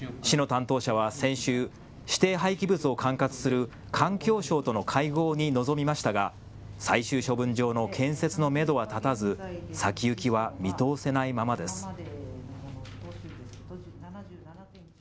市の担当者は先週、指定廃棄物を管轄する環境省との会合に臨みましたが最終処分場の建設のめどは立たず先行きは見通せないままです。